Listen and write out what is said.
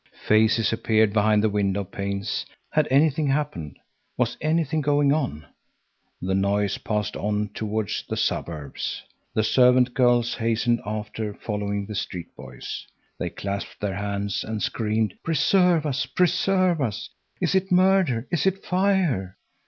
Faces appeared behind the window panes. Had anything happened? Was anything going on? The noise passed on towards the suburbs. The servant girls hastened after, following the street boys. They clasped their hands and screamed: "Preserve us, preserve us! Is it murder, is it fire?"